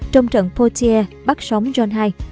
trong trận portier bắt sống john ii